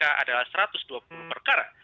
adalah satu ratus dua puluh perkara